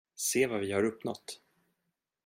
Se vad vi har uppnåt.